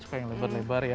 suka yang lebar lebar ya